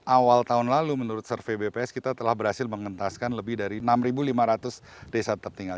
awal tahun lalu menurut survei bps kita telah berhasil mengentaskan lebih dari enam lima ratus desa tertinggal